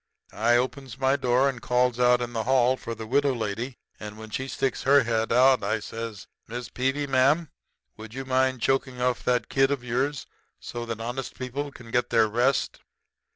I opens my door and calls out in the hall for the widow lady, and when she sticks her head out, I says: 'Mrs. Peevy, ma'am, would you mind choking off that kid of yours so that honest people can get their rest?'